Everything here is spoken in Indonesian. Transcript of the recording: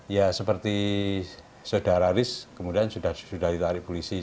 ya seperti sudah raris kemudian sudah ditarik polisi